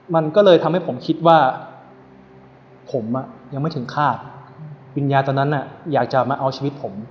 มันก็เลยทำให้ผมคิดว่าผมยังไม่ถึงคาดวิญญาณตอนนั้นอยากจะมาเอาชีวิตผม